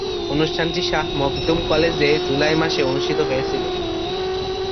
অনুষ্ঠানটি শাহ মখদুম কলেজে জুলাই মাসে অনুষ্ঠিত হয়েছিলো।